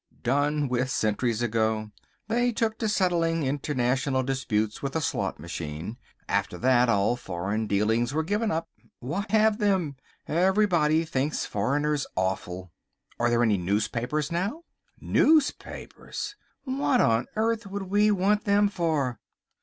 "Done with centuries ago. They took to settling international disputes with a slot machine. After that all foreign dealings were given up. Why have them? Everybody thinks foreigners awful." "Are there any newspapers now?" "Newspapers! What on earth would we want them for?